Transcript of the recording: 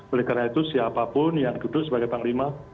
oleh karena itu siapapun yang duduk sebagai panglima